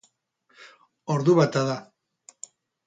Ordu bata da.